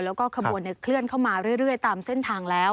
แล้วก็ขบวนเคลื่อนเข้ามาเรื่อยตามเส้นทางแล้ว